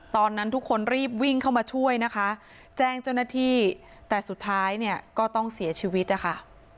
ตอนนั้นทุกคนรีบวิ่งเข้ามาช่วยนะคะแจ้งเจ้าหน้าที่แต่สุดท้ายเนี่ยก็ต้องเสียชีวิตนะคะ